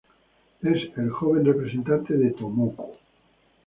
Es el joven representante de Tomoko.